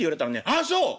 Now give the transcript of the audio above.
『ああそう。え？